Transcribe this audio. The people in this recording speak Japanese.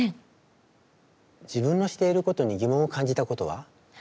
自分のしていることに疑問を感じたことは？